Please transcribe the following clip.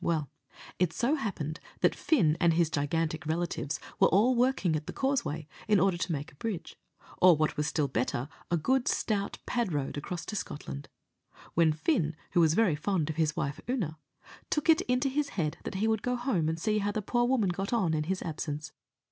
Well, it so happened that Fin and his gigantic relatives were all working at the Causeway, in order to make a bridge, or what was still better, a good stout pad road, across to Scotland; when Fin, who was very fond of his wife Oonagh, took it into his head that he would go home and see how the poor woman got on in his absence.